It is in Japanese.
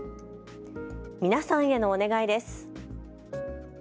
皆さんへのお願いです。